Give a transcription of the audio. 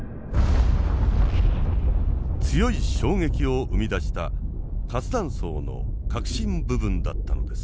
強い衝撃を生み出した活断層の核心部分だったのです。